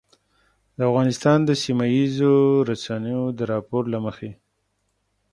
د افغانستان د سیمهییزو رسنیو د راپور له مخې